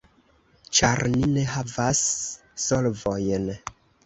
Ĉar ni ne havas solvojn.